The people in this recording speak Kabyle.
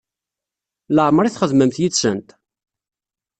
Laɛmeṛ i txedmemt yid-sent?